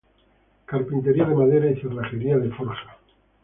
Carpintería de madera, y cerrajería de forja.